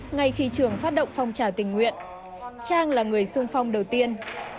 ngay khi trường phát động phòng trả tình nguyện trang là người sung phong đầu tiên